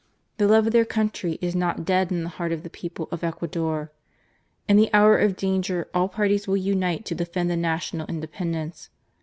The love of their country is not dead in the heart of the people of Ecuador. In the hour of danger all parties will unite to defend the national independence.